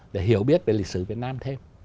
để hiểu biết về lịch sử việt nam thêm